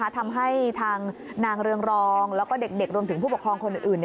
ทำให้ทางนางเรืองรองแล้วก็เด็กรวมถึงผู้ปกครองคนอื่น